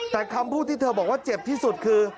แต่คำพูดที่เธอบอกว่าเจ็บที่สุดคือ